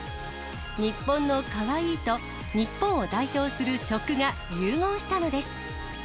日本のカワイイと、日本を代表する食が融合したのです。